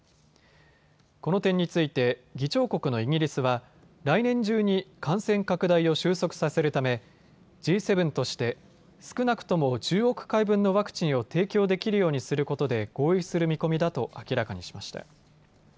この点について議長国のイギリスは来年中に感染拡大を収束させるためＧ７として少なくとも１０億回分のワクチンを提供できるようにすることで合意する見込みだと明らかにしました。